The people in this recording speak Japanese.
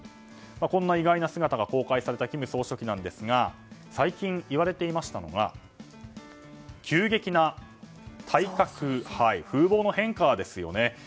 こんな意外な姿が公開された金総書記なんですが最近、言われていましたのが急激な体格、風貌の変化ですね。